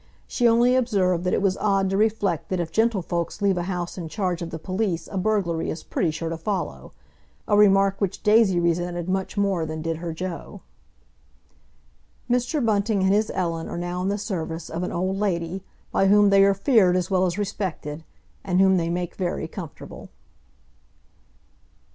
She only observed that it was odd to reflect that if gentlefolks leave a house in charge of the police a burglary is pretty sure to follow—a remark which Daisy resented much more than did her Joe. Mr. Bunting and his Ellen are now in the service of an old lady, by whom they are feared as well as respected, and whom they make very comfortable.